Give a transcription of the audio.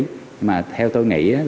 nhưng mà theo tôi nghĩ